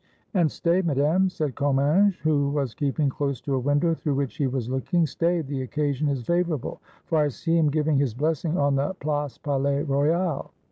"And stay, Madame," said Comminges, who was keeping close to a window through which he was look ing,— "stay, the occasion is favorable, for I see him giving his blessing on the Place Palais Royal."